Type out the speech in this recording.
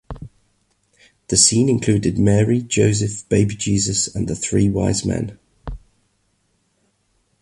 The scene included Mary, Joseph, Baby Jesus and the Three Wisemen.